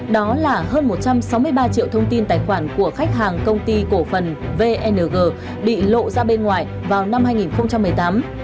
đó là hơn một trăm sáu mươi ba triệu thông tin tài khoản của khách hàng công ty cổ phần vng bị lộ ra bên ngoài vào năm hai nghìn một mươi tám